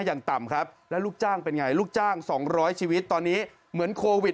อย่างต่ำครับแล้วลูกจ้างเป็นไงลูกจ้างสองร้อยชีวิตตอนนี้เหมือนโควิด